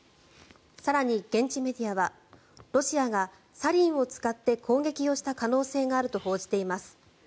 更に、現地メディアはロシアがサリンを使って攻撃をした可能性があると報じています。